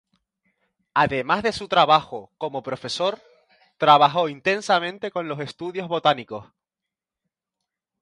Además de su trabajo como profesor, trabajó intensamente con los estudios botánicos.